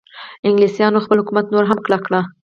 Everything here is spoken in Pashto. انګلیسانو خپل حکومت نور هم کلک کړ.